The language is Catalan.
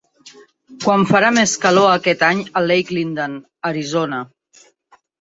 Quan farà més calor aquest any a Lake Linden, Arizona